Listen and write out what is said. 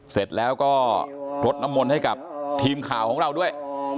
เสร็จแล้วก็รดน้ำมนต์ให้กับทีมข่าวของเราด้วย